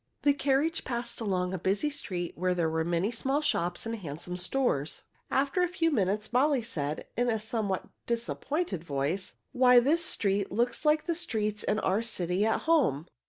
The carriage passed along a busy street where there were many small shops and handsome stores. After a few minutes Molly said, in a somewhat disappointed voice, "Why, this street looks like the streets in our city at home.